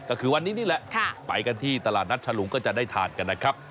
ก็คือวันนี้นี่แหละไปกันที่ตลาดนัดฉลุงก็จะได้ทานกันนะครับ